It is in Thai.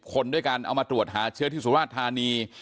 คนด้วยกันเอามาตรวจหาเชื้อที่สุราชธานี